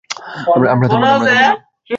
আমরা থামবো না।